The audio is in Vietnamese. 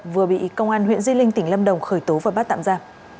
vừa bị công an huyện di linh tỉnh lâm đồng khởi tố và bắt tạm ra